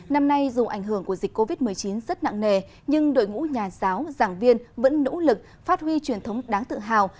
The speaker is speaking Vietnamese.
năm nay dù ảnh hưởng của dịch covid một mươi chín rất nặng nề nhưng đội ngũ nhà giáo giảng viên vẫn nỗ lực phát huy truyền thống đáng tự hào